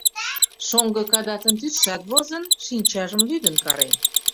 Шоҥго Кадатын тӱсшат возын, шинчажым лӱдын карен.